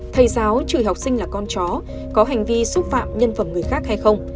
thầy giáo trừ học sinh là con chó có hành vi xúc phạm nhân phẩm người khác hay không